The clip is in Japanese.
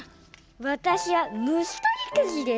わたしはむしとりくじです。